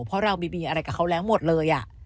เพราะเราบีบีอะไรกับเขาแล้วหมดเลย